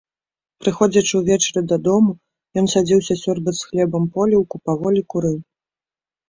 Прыходзячы ўвечары дадому, ён садзіўся сёрбаць з хлебам поліўку, паволі курыў.